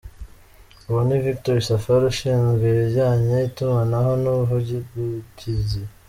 Uwo ni Victor Safari ushinzwe ibijyanye itumanaho n’ubuvugugizi.